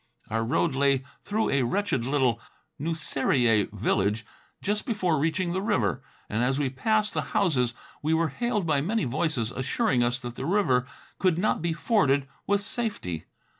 Our road lay through a wretched little Nusairiyeh village, just before reaching the river, and as we passed the houses we were hailed by many voices assuring us that the river could not be forded with safety.